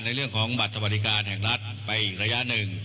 ในเรื่องของบัตรสวัสดิการแห่งรัฐไปอีกระยะหนึ่ง